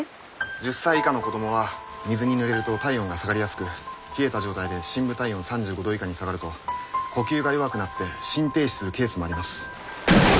１０歳以下の子供は水にぬれると体温が下がりやすく冷えた状態で深部体温３５度以下に下がると呼吸が弱くなって心停止するケースもあります。